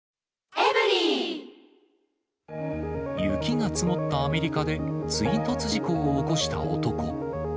雪が積もったアメリカで、追突事故を起こした男。